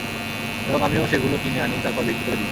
এবং আমিও সেগুলো কিনে আনি তারপর বিক্রি করে দিই।